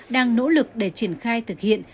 đang nỗ lực để triển khai thực hiện